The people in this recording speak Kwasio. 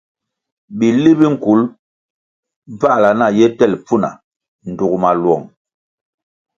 Bili bi nkul bvãhla na ye tel pfuna dug maluong.